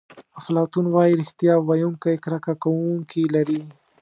افلاطون وایي ریښتیا ویونکی کرکه کوونکي لري.